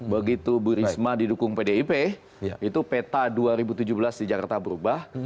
begitu bu risma didukung pdip itu peta dua ribu tujuh belas di jakarta berubah